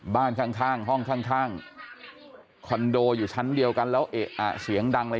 บ้านข้างห้องข้างคอนโดอยู่ชั้นเดียวกันแล้วเอะอะเสียงดังเลย